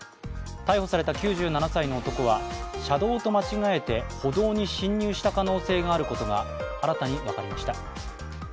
逮捕された９７歳の男は車道と間違えて歩道に進入した可能性があることが新たに分かりました。